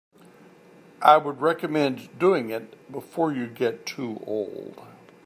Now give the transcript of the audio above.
I would recommend doing it before you get too old.